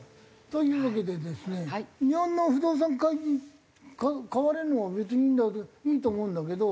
というわけでですね日本の不動産買われるのは別にいいんだけどいいと思うんだけど。